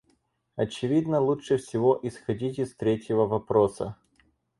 Очевидно, лучше всего исходить из третьего вопроса.